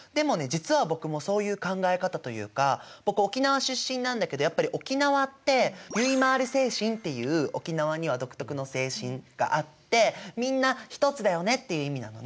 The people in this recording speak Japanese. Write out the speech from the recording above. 実は僕もそういう考え方というか僕沖縄出身なんだけどやっぱり沖縄ってゆいまーる精神っていう沖縄には独特の精神があってみんな一つだよねっていう意味なのね。